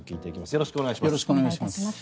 よろしくお願いします。